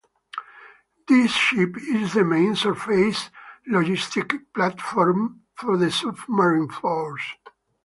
This ship is the main surface logistic platform for the submarine force.